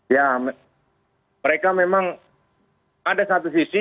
ya mereka memang ada satu sisi